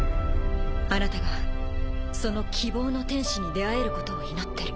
△覆燭その希望の天使に出会えることを祈ってる。